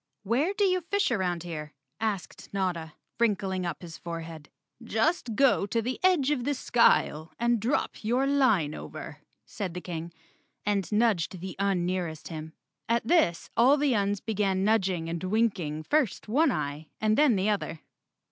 "Where do you fish around here?" asked Notta, wrinkling up his forehead. "Just go to the edge of the skyle and drop your line over," said the King, and nudged the Un nearest him. At this all the Uns began nudging and winking first one eye and then the other.